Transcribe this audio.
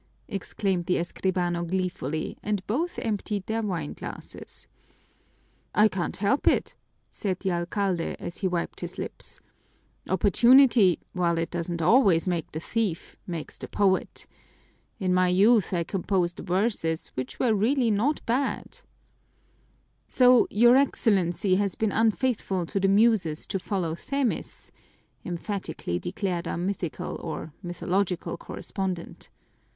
exclaimed the escribano gleefully, and both emptied their wine glasses. "I can't help it," said the alcalde as he wiped his lips. "Opportunity, while it doesn't always make the thief, makes the poet. In my youth I composed verses which were really not bad." "So your Excellency has been unfaithful to the Muses to follow Themis," emphatically declared our mythical or mythological correspondent.